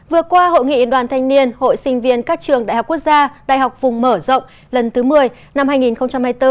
vừa qua hội nghị đoàn thanh niên hội sinh viên các trường đại học quốc gia đại học vùng mở rộng lần thứ một mươi năm hai nghìn hai mươi bốn